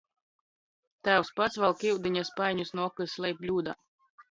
Tāvs pats valk iudiņa spaiņus nu okys, lej bļūdā.